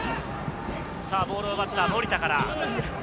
ボールを奪った森田から。